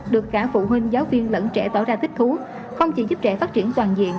được cả phụ huynh giáo viên lẫn trẻ tỏ ra thích thú không chỉ giúp trẻ phát triển toàn diện